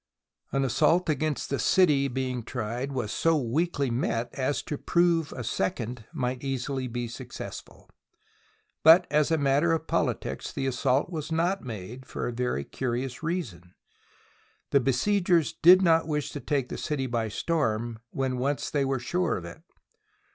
An assault against the city being tried was so weakly met as to prove a second might easily be successful. But, as a matter of politics, the assault was not made, for a very curious reason. The besiegers did not wish to take the city by storm when once they were sure of it.